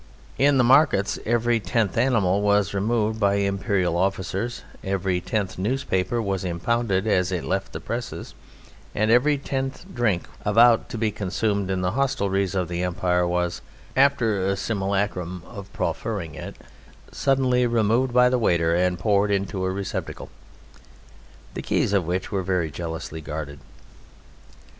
In the markets every tenth animal was removed by Imperial officers, every tenth newspaper was impounded as it left the press, and every tenth drink about to be consumed in the hostelries of the Empire was, after a simulacrum of proffering it, suddenly removed by the waiter and poured into a receptacle, the keys of which were very jealously guarded.